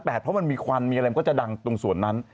เพราะมันมีควันมีอะไรมันก็จะดังตรงส่วนนั้น